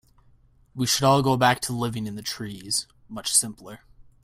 We should all go back to living in the trees, much simpler.